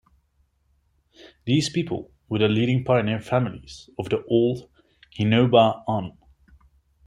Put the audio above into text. These people were the leading pioneer families of the "old" Hinoba-an.